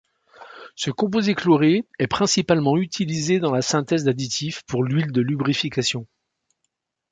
Ce composé chloré est principalement utilisé dans la synthèse d'additifs pour huile de lubrification.